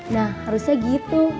nah harusnya gitu